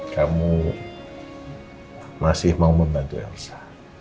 kamu masih mau membantu elsa